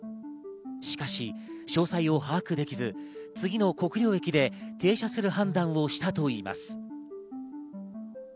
しかし、詳細を把握できず、次の国領駅で停車する判断をしたといいます。